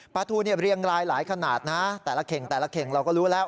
ปลาทูเรียงลายหลายขนาดนะแต่ละเขงเราก็รู้แล้ว